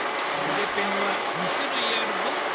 筆ペンは２種類あるぞ。